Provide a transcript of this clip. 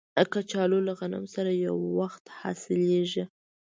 کچالو له غنم سره یو وخت حاصلیږي